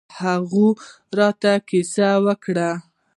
هغوى راته کيسې کولې.